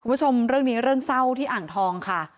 คุณผู้ชมเรื่องนี้เรื่องเศร้าที่อ่างทองค่ะ